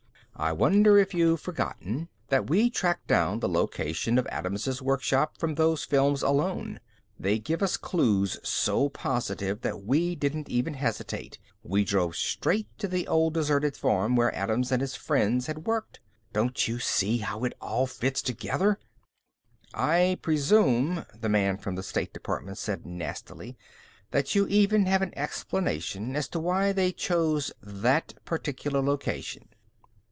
I wonder if you've forgotten that we tracked down the location of Adams' workshop from those films alone. They gave us clues so positive that we didn't even hesitate we drove straight to the old deserted farm where Adams and his friends had worked. Don't you see how it all fits together?" "I presume," the man from the state department said nastily, "that you even have an explanation as to why they chose that particular location."